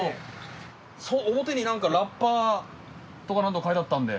表になんかラッパーとかなんとか書いてあったんで。